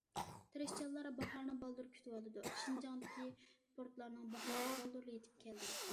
تىرىشقانلار باھارنى بالدۇر كۈتۈۋالىدۇ، شىنجاڭدىكى پورتلارنىڭ باھارى بالدۇرلا يېتىپ كەلدى.